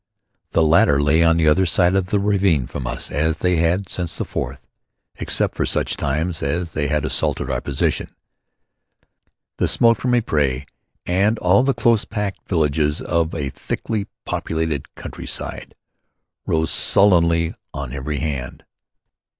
The latter lay on the other side of the ravine from us as they had since the Fourth, except for such times as they had assaulted our position. The smoke of Ypres and all the close packed villages of a thickly populated countryside rose sullenly on every hand.